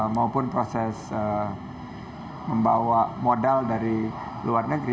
maupun proses membawa modal dari luar negeri